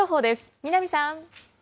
南さん。